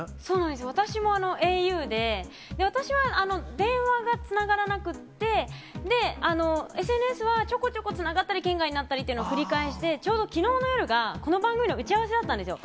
私もａｕで、私は電話がつながらなくって、ＳＮＳはちょこちょこつながったり、圏外になったりっていうのを繰り返して、ちょうどきのうの夜が、この番組の打ち合わせだったんですよ。